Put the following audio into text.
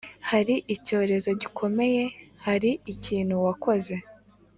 hari icyorezo gikomeye harikintu wakoze